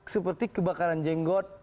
seperti kebakaran jenggot